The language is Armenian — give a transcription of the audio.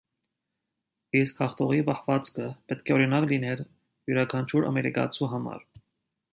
Իսկ հաղթողի պահվածքը պետք է օրինակ լիներ յուրաքանչյուր ամերիկացու համար։